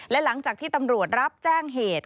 และหลังจากที่ตำรวจรับแจ้งเหตุ